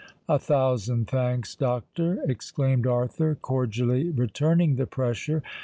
"A thousand thanks, doctor," exclaimed Arthur, cordially returning the pressure.